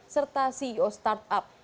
serta ceo startup